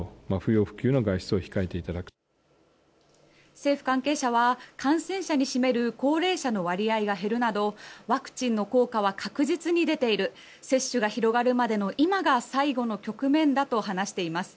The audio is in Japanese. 政府関係者は感染者に占める高齢者の割合が減るなどワクチンの効果は確実に出ている接種が広がるまでの今が最後の局面だと話しています。